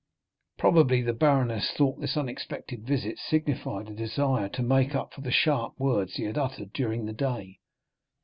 Probably the baroness thought this unexpected visit signified a desire to make up for the sharp words he had uttered during the day.